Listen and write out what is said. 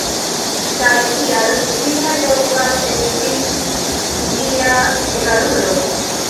Kaj kial vi ne povas esti ilia egalulo?